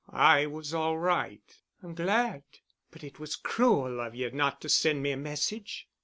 "I was all right." "I'm glad. But it was cruel of you not to send me a message."